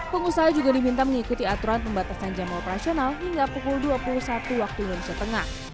pengusaha juga diminta mengikuti aturan pembatasan jam operasional hingga pukul dua puluh satu waktu indonesia tengah